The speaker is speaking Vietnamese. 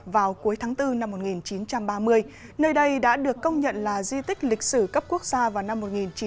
vào cuối tháng bốn năm một nghìn chín trăm ba mươi nơi đây đã được công nhận là di tích lịch sử cấp quốc gia vào năm một nghìn chín trăm bảy mươi